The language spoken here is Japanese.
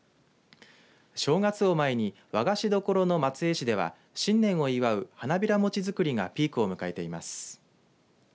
正月を前に和菓子どころの松江市では新年を祝う花びら餅づくりがピークを迎えています。